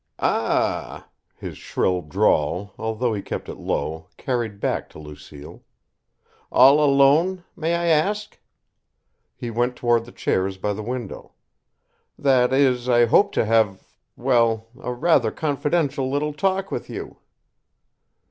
"Ah h!" his shrill drawl, although he kept it low, carried back to Lucille. "All alone may I ask?" He went toward the chairs by the window. "That is, I hope to have well rather a confidential little talk with you."